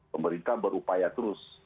pemerintah berupaya terus